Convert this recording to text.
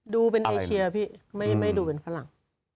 ดูเป็นเอเชียพี่ไม่ดูเป็นฝรั่ง